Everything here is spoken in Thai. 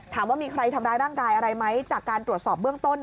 ถามว่ามีใครทำร้ายร่างกายอะไรไหมจากการตรวจสอบเบื้องต้น